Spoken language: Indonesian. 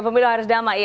pemilu harus dama